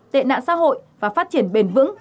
tệ nạn xã hội và phát triển bền vững